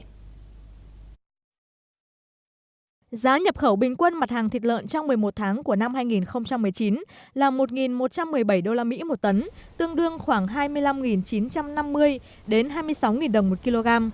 giá nhập khẩu bình quân mặt hàng thịt lợn trong một mươi một tháng của năm hai nghìn một mươi chín là một một trăm một mươi bảy usd một tấn tương đương khoảng hai mươi năm chín trăm năm mươi hai mươi sáu đồng một kg